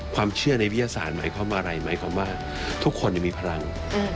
ความเชื่อในวิทยาศาสตร์หมายความว่าอะไรหมายความว่าทุกคนยังมีพลัง